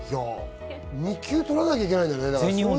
２級取らなきゃいけないんだ？